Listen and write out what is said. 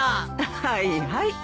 はいはい。